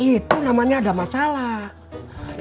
itu namanya ada masalah